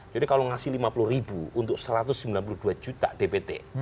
jadi kalau ngasih lima puluh ribu untuk satu ratus sembilan puluh dua juta dpt